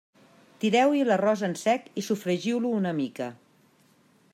Tireu-hi l'arròs en sec i sofregiu-lo una mica.